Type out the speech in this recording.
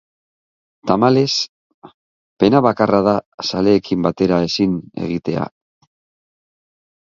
Tamalez, pena bakarra da zaleekin batera ezin egitea.